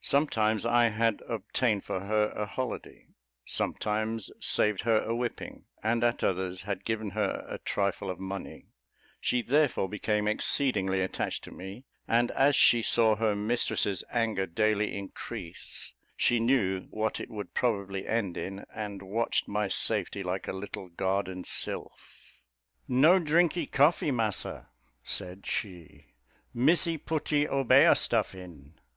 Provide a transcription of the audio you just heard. Sometimes I had obtained for her a holiday sometimes saved her a whipping, and at others had given her a trifle of money; she therefore became exceedingly attached to me, and as she saw her mistress's anger daily increase, she knew what it would probably end in, and watched my safety like a little guardian sylph. "No drinkee coffee, Massa," said she, "Missy putty obeah stuff in."